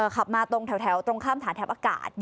ขับมาตรงแถวตรงข้ามฐานทัพอากาศ